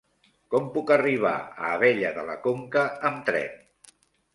Com puc arribar a Abella de la Conca amb tren?